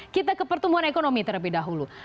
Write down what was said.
kita ke pertumbuhan ekonomi terlebih dahulu